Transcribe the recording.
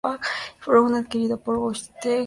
Brown fue adquirido por Deutsche Bank.